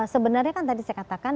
sebenarnya kan tadi saya katakan